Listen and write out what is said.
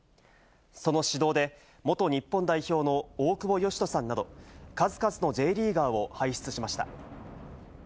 その指導で、元日本代表の大久保嘉人さんなど、数々のＪリーガーを輩出しました。